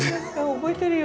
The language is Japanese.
覚えてるよね。